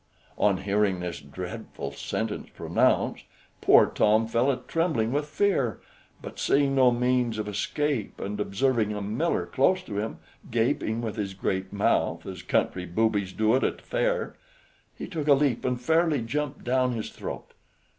On hearing this dreadful sentence pronounced, poor Tom fell a trembling with fear, but, seeing no means of escape, and observing a miller close to him gaping with his great mouth, as country boobies do at a fair, he took a leap, and fairly jumped down his throat.